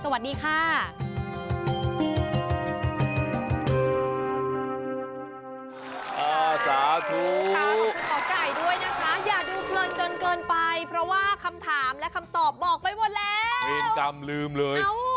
เวรกรรมลืมเลย